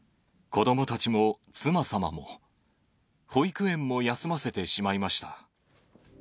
子どもたちも妻様も、保育園も休ませてしまいました。